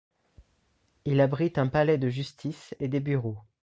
Il abrite un palais de justice et des bureaux.